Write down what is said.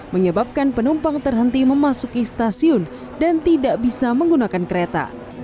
menyebabkan penumpang terhenti memasuki stasiun dan tidak bisa menggunakan kereta